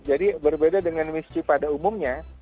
jadi berbeda dengan misi pada umumnya